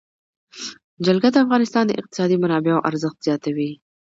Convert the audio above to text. جلګه د افغانستان د اقتصادي منابعو ارزښت زیاتوي.